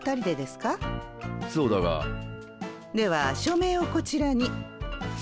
では署名をこちらに。